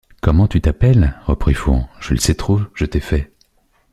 Comment tu t’appelles? reprit Fouan, je le sais trop, je t’ai fait.